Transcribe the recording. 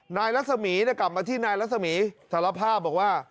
นายลักษมีศ์กลับมาที่นายลักษมีศ์สารภาพบอกว่า